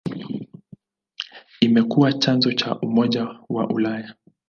Imekuwa chanzo cha Umoja wa Ulaya.